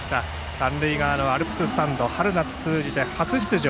三塁側のアルプススタンド春夏通じて初出場。